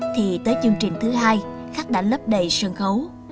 thì tới chương trình thứ hai khách đã lấp đầy sân khấu